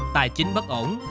tài chính bất ổn